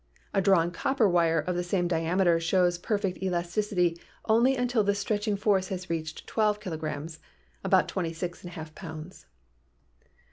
A drawn copper wire of the same diameter shows perfect elasticity only until the stretching force has reached 12 kilograms (about 26^ pounds).